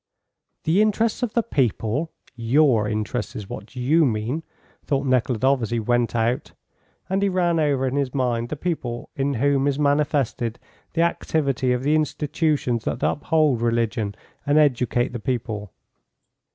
"The interests of the people! Your interests is what you mean!" thought Nekhludoff as he went out. And he ran over in his mind the people in whom is manifested the activity of the institutions that uphold religion and educate the people.